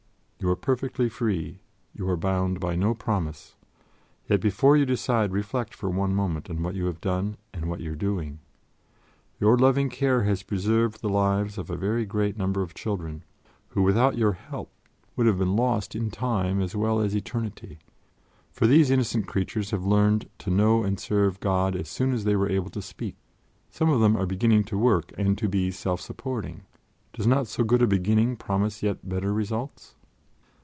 You are perfectly free; you are bound by no promise. Yet, before you decide, reflect for one moment on what you have done, and what you are doing. Your loving care has preserved the lives of a very great number of children, who without your help would have been lost in time as well as eternity; for these innocent creatures have learned to know and serve God as soon as they were able to speak. Some of them are beginning to work and to be self supporting. Does not so good a beginning promise yet better results?